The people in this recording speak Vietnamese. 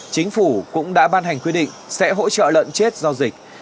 chính phủ cũng đã ban hành quy định sẽ hỗ trợ lợn chết do dịch